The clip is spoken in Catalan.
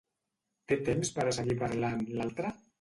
Té temps per a seguir parlant, l'altre?